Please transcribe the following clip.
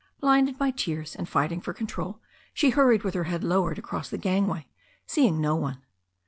Blinded by tears and fighting for control, she hurried with her head lowered across the gangway, seeing no one.